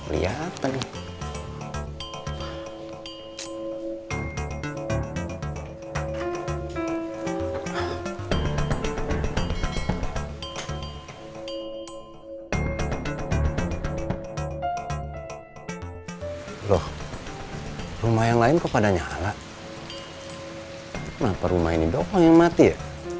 loh rumah yang lain kepada nyala hai nama rumah ini doang yang mati ya